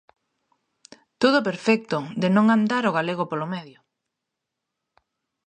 Todo perfecto de non andar o galego polo medio.